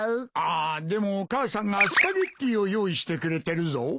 あでも母さんがスパゲティを用意してくれてるぞ。